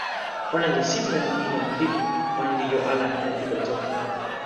ona li sitelen e ni lon lipu: ona li jo ala e ilo toki.